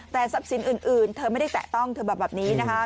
แต่ทรัพย์สินอื่นเธอไม่ได้แตะต้องเธอบอกแบบนี้นะคะ